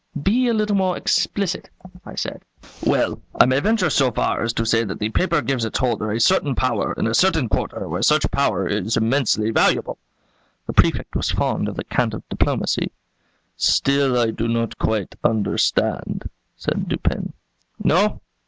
"Be a little more explicit," I said. "Well, I may venture so far as to say that the paper gives its holder a certain power in a certain quarter where such power is immensely valuable." The Prefect was fond of the cant of diplomacy. "Still I do not quite understand," said Dupin. "No?